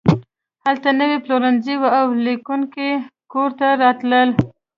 هلته نوي پلورنځي وو او لیکونه کور ته راتلل